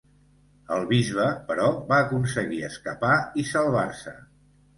El bisbe, però va aconseguir escapar i salvar-se.